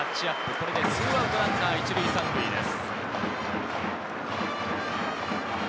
これで２アウトランナー１塁３塁です。